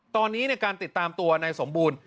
ตอนนี้ในการติดตามตัวนายสมบูรณ์